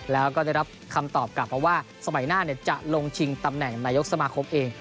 แล้วก็ได้รับคำตอบกลับมาว่าสมัยหน้าจะลงชิงตำแหน่งนายกสมาคมเอง